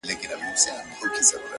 یاره کله به سیالان سو دجهانه